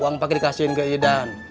uang pakai dikasihin ke idan